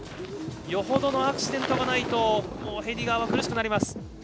よほどのアクシデントがないとヘディガーは苦しくなります。